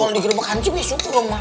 kalo digerebek hansip ya syukur mak